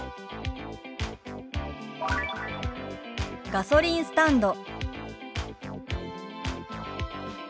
「ガソリンスタンド」。